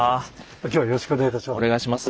今日はよろしくお願いいたします。